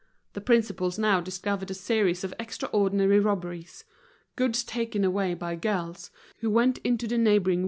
The principals now discovered a series of extraordinary robberies; goods taken away by girls, who went into the neighboring W.